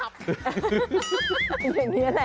อย่างนี้แหละ